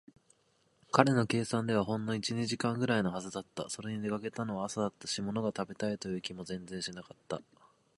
彼の計算ではほんの一、二時間ぐらいのはずだった。それに、出かけたのは朝だったし、ものが食べたいという気も全然しなかった。